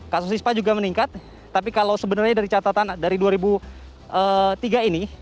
kasus ispa juga meningkat tapi kalau sebenarnya dari catatan dari dua ribu tiga ini